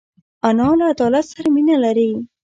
انا له عدالت سره مینه لري